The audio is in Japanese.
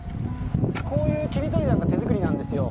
こういうちりとりなんか手作りなんですよ。